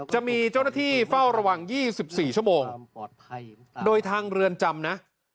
จะมีเจ้าหน้าที่เฝ้าระวัง๒๔ชั่วโมงโดยทางเรือนจำนะ